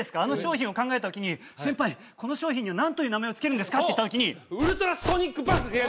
あの商品を考えたときに「先輩この商品には何という名前をつけるんですか？」って言ったときにウルトラソニックバス！